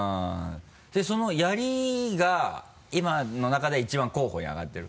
その槍が今の中では一番候補に上がってる？